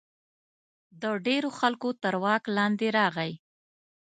د ډېرو خلکو تر واک لاندې راغی.